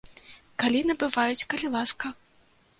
Калі набываюць, калі ласка.